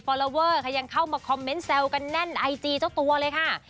อลลอเวอร์ค่ะยังเข้ามาคอมเมนต์แซวกันแน่นไอจีเจ้าตัวเลยค่ะ